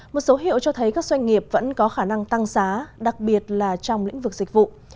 một số hiệu cho thấy các doanh nghiệp vẫn có khả năng tăng giá đặc biệt là trong lĩnh vực dịch vụ